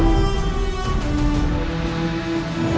aku akan mencari angin bersamamu